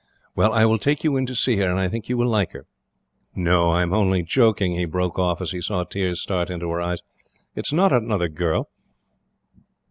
"Well, I will take you in to see her, and I think you will like her. "No; I am only joking," he broke off, as he saw tears start into her eyes. "It is not another girl.